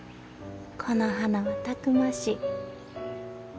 この花はたくましい。